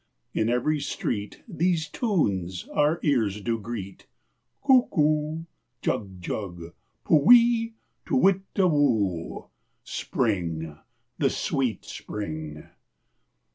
In every street these tunes our ears do greet. Cuckoo, jug jug, pu we, to witta woo ! Spring! the sweet Spring!